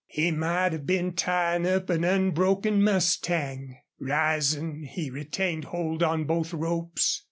He might have been tying up an unbroken mustang. Rising, he retained hold on both ropes.